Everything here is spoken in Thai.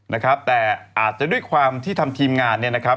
นะครับแต่อาจจะด้วยความที่ทำทีมงานเนี่ยนะครับ